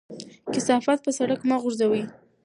کثافات په سړک مه غورځوئ.